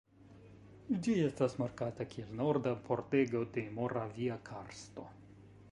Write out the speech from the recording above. Ĝi estas markata kiel "Norda pordego de Moravia karsto".